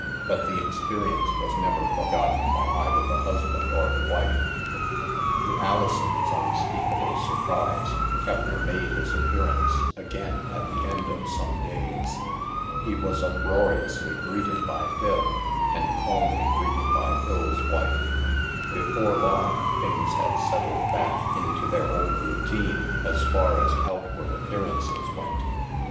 But the ex perience was never forgotten by either the husband or the wife. To Alison's unspeakable surprise, Keppner made his appearance again at the end of some days. He was uproariously greeted by Phil, and calmly greeted by Phil's wife. Before long, things had settled back into their old routine, as far as outward appear ances went.